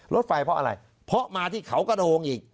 รถไฟเพราะอะไรเพราะมาที่เขากระโดงอีก